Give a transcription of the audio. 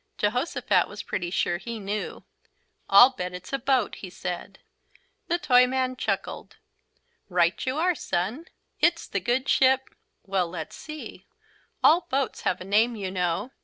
Jehosophat was pretty sure he knew. "I'll bet it's a boat," he said. The Toyman chuckled. "Right you are, Son. It's the Good Ship well, let's see. All boats have a name, you know.